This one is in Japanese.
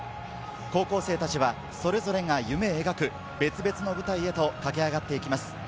高校生たちはそれぞれが夢描く別々の舞台へと駆け上がっていきます。